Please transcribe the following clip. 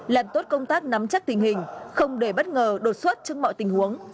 làm tốt công tác nắm chắc tình hình không để bất ngờ đột xuất trong mọi tình huống